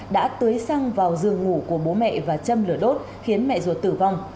đã tưới xăng vào giường ngủ của bố mẹ và châm lửa đốt khiến mẹ ruột tử vong